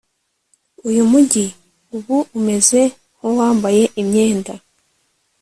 Uyu mujyi ubu umeze nkuwambaye imyenda